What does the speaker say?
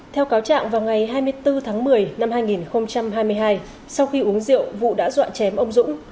theo cáo trạng vào ngày hai mươi bốn tháng một mươi năm hai nghìn hai mươi hai sau khi uống rượu vũ đã dọa chém ông dũng